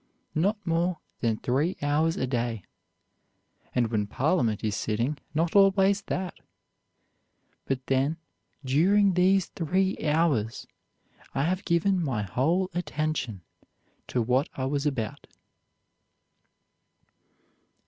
Not more than three hours a day; and, when Parliament is sitting, not always that. But then, during these three hours, I have given my whole attention to what I was about.'"